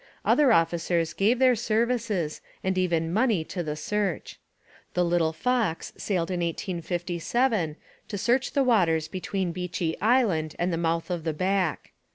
Other officers gave their services and even money to the search. The little Fox sailed in 1857, to search the waters between Beechey Island and the mouth of the Back.